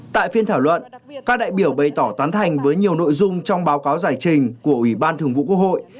tại phiên thảo luận các đại biểu bày tỏ tán thành với nhiều nội dung trong báo cáo giải trình của ủy ban thường vụ quốc hội